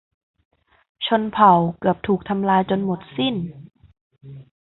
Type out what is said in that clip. ชนเผ่าเกือบถูกทำลายจนหมดสิ้น